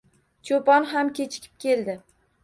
Cho‘pon ham kechikib keldi.